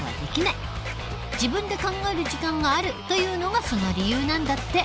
自分で考える時間があるというのがその理由なんだって。